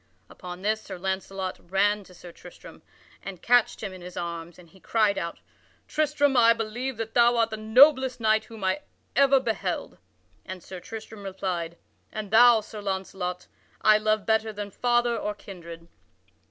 Upon this Sir Launcelot ran to Sir Tristram and catched him in his arms, and he cried out: "Tristram, I believe that thou art the noblest knight whom ever I beheld!" And Sir Tristram replied: "And thou, Launcelot, I love better than father or kindred."